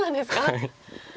はい。